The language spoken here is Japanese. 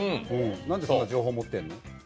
なんでそんなに情報を持ってるの？